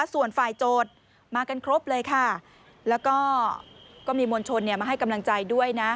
ส่วนฝ่ายโจทย์มากันครบเลยค่ะแล้วก็ก็มีมวลชนมาให้กำลังใจด้วยนะ